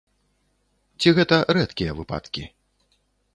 Ці гэта рэдкія выпадкі?